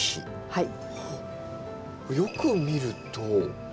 はい。